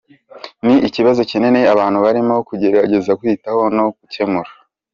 Ni ikibazo kinini abantu barimo kugerageza kwitaho no gukemura.